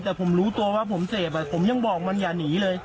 แต่ผมรู้ตัวว่าผมเสพผมยังบอกมันอย่าหนีเลย